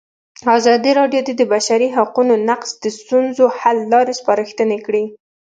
ازادي راډیو د د بشري حقونو نقض د ستونزو حل لارې سپارښتنې کړي.